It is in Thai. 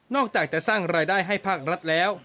อกจากจะสร้างรายได้ให้ภาครัฐแล้ว